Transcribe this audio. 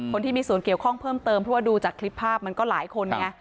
คนที่มีส่วนเกี่ยวข้องเพิ่มเติมเพราะว่าดูจากคลิปภาพมันก็หลายคนไง